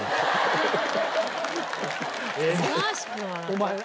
お前。